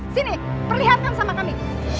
sini perlihatkan sama kami